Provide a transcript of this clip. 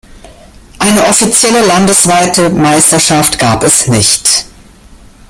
Eine offizielle landesweite Meisterschaft gab es nicht.